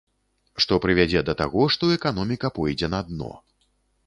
Што прывядзе да таго, што эканоміка пойдзе на дно.